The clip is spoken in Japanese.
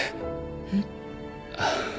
えっ？